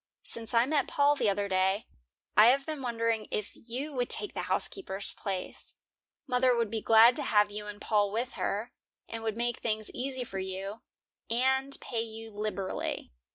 Since I met Paul the other day, I have been wondering if you would take the housekeeper's place. Mother would be glad to have you and Paul with her, and would make things easy for you, and pay you liberally."